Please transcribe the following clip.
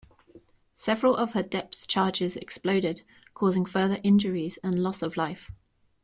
Several of her depth charges exploded, causing further injuries and loss of life.